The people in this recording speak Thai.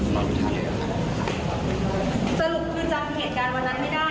ไม่ได้ดูเขาเหรอ